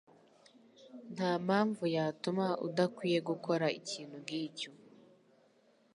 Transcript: Nta mpamvu yatuma udakwiye gukora ikintu nkicyo.